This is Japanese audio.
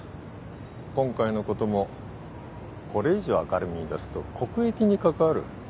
今回のこともこれ以上明るみに出すと国益に関わる。